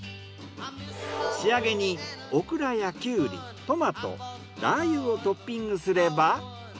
仕上げにオクラやキュウリトマトラー油をトッピングすれば。